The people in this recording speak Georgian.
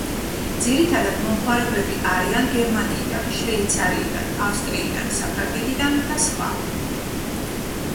ძირითადად მომხმარებლები არიან გერმანიიდან, შვეიცარიიდან, ავსტრიიდან, საფრანგეთიდან და სხვა.